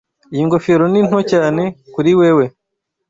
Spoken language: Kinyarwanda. Iyi ngofero ni nto cyane kuri wewe.